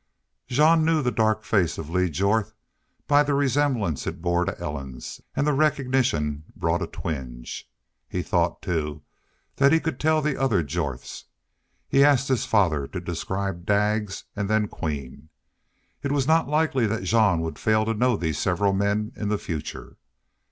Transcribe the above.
Jean knew the dark face of Lee Jorth by the resemblance it bore to Ellen's, and the recognition brought a twinge. He thought, too, that he could tell the other Jorths. He asked his father to describe Daggs and then Queen. It was not likely that Jean would fail to know these several men in the future.